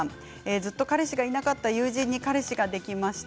ずっと彼氏がいなかった友人に彼氏ができました。